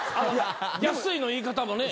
「安い」の言い方もね。